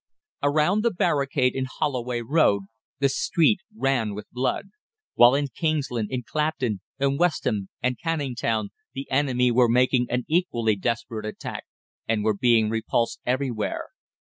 Around the barricade in Holloway Road the street ran with blood; while in Kingsland, in Clapton, in West Ham, and Canning Town the enemy were making an equally desperate attack, and were being repulsed everywhere.